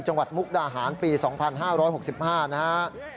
จังหวัดมุกดาหารปี๒๕๖๕นะครับ